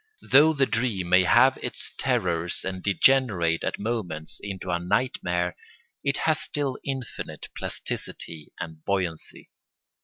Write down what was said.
Though the dream may have its terrors and degenerate at moments into a nightmare, it has still infinite plasticity and buoyancy.